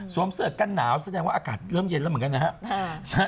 เสือกกันหนาวแสดงว่าอากาศเริ่มเย็นแล้วเหมือนกันนะครับ